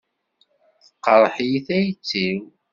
Teqreḥ-iyi tayet-iw.